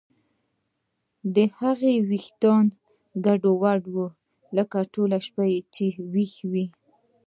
د هغې ویښتان ګډوډ وو لکه ټوله شپه چې ویښه وي